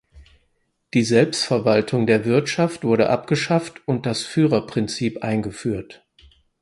Die Selbstverwaltung der Wirtschaft wurde abgeschafft und das Führerprinzip eingeführt.